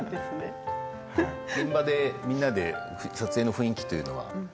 現場でみんなで撮影の雰囲気というのは。